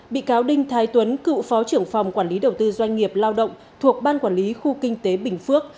bị cáo đinh thái tuấn cựu phó trưởng phòng quản lý đầu tư doanh nghiệp lao động thuộc ban quản lý khu kinh tế bình phước